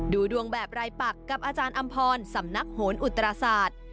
ดูดวงแบบรายปักกับอาจารย์อำพรสำนักโหนอุตราศาสตร์